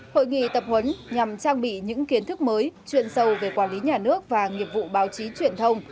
hội nghị tập huấn nhằm trang bị những kiến thức mới chuyên sâu về quản lý nhà nước và nghiệp vụ báo chí truyền thông